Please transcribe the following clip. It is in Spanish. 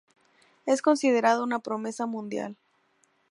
Es considerado una promesa mundial.